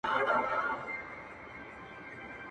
د دې حكم كوي چې امانتونه